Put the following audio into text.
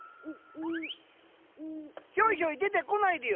ひょいひょい出てこないでよ。